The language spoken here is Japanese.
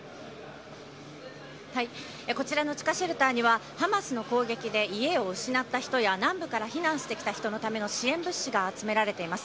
こちらの地下シェルターには、ハマスの攻撃で家を失った人や、南部から避難してきた人のための支援物資が集められています。